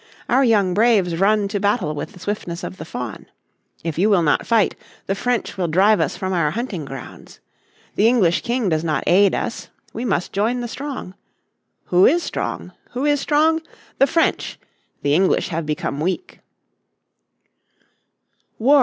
Our young braves run to battle with the swiftness of the fawn. If you will not fight, the French will drive us from our hunting grounds. The English King does not aid us, we must join the strong. Who is strong? Who is strong? The French! The English have become weak."